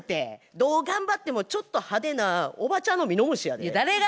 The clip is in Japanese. どう頑張ってもちょっと派手なおばちゃんのミノムシやで。